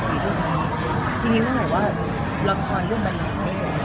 จริงแล้วไม่ว่าลัมพารเล่นมานานด้วย